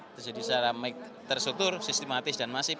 terjadi secara terstruktur sistematis dan masif